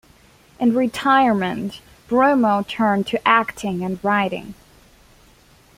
In retirement Brumel turned to acting and writing.